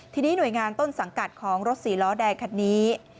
ทีนี้หน่วยงานต้นสังกัดของรถสีล้อแดงคันนี้